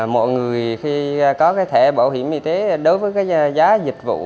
mọi người khi có cái thẻ bảo hiểm y tế đối với cái giá dịch vụ